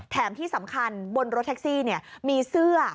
แถมที่สำคัญบนรถแท็กซี่มีเสื้อ